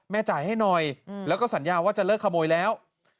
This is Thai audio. จ่ายให้หน่อยแล้วก็สัญญาว่าจะเลิกขโมยแล้ว